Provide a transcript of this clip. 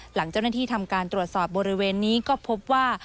หลังเจ้าหน้าที่ทำการตรวจสอบบริเวณนี้ก็พบว่า